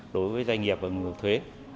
đối với doanh nghiệp và người nộp thuế